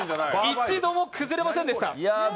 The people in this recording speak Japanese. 一度も崩れませんでした。